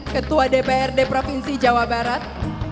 ketua dprd provinsi jawa barat